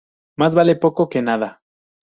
Más vale poco que nada